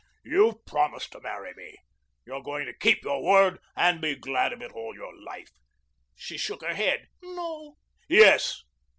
"You've promised to marry me. You're going to keep your word and be glad of it all your life." She shook her head. "No." "Yes."